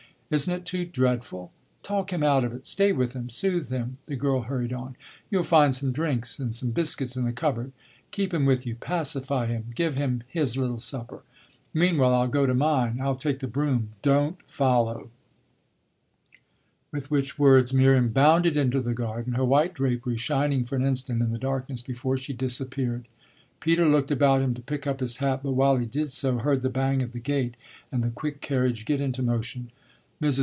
Isn't it too dreadful? Talk him out of it, stay with him, soothe him!" the girl hurried on. "You'll find some drinks and some biscuits in the cupboard keep him with you, pacify him, give him his little supper. Meanwhile I'll go to mine; I'll take the brougham; don't follow!" With which words Miriam bounded into the garden, her white drapery shining for an instant in the darkness before she disappeared. Peter looked about him to pick up his hat, but while he did so heard the bang of the gate and the quick carriage get into motion. Mrs.